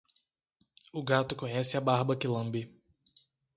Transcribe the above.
O gato conhece a barba que lambe.